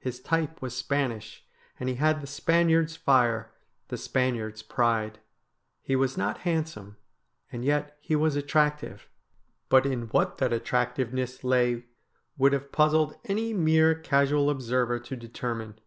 His type was Spanish, and he had the Spaniard's fire, the Spaniard's pride. He was not hand some, and yet he was attractive ; but in what that attractive ness lay would have puzzled any mere casual observer to determine.